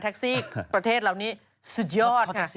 แตคซี่ประเทศเหล่านี้สุดยอดครับ